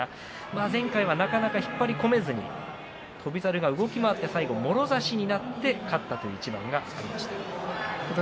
前回はなかなか引っ張り込めずに翔猿が動き回って最後は、もろ差しになって勝った一番がありました。